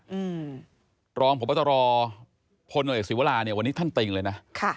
ตรงผมก็จะรอพลเนาะเอกศิวราเนี่ยวันนี้ท่านติงเลยนะ